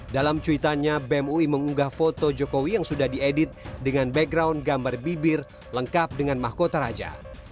dalam cuitannya bem ui mengunggah foto jokowi yang sudah diedit dengan background gambar bibir lengkap dengan mahkota raja